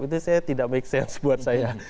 itu saya tidak make sense buat saya